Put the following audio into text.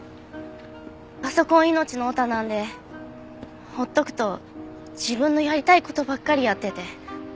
パソコン命のヲタなんでほっとくと自分のやりたい事ばっかりやってて。